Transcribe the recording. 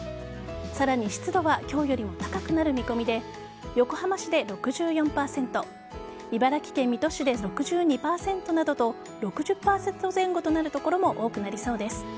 さらに、湿度は今日よりも高くなる見込みで横浜市で６４％茨城県水戸市で６２％などと６０％前後となる所も多くなりそうです。